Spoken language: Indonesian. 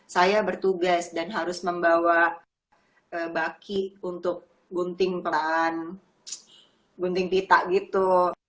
saya bertugas dan harus membawa baki untuk gunting pelan gunting pita gitu